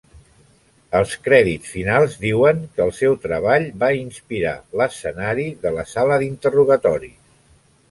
Els crèdits finals diuen que el seu treball "va inspirar" l'escenari de la Sala d'Interrogatoris.